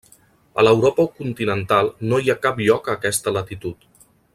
A l'Europa continental no hi ha cap lloc a aquesta latitud.